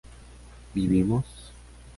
¿vivimos?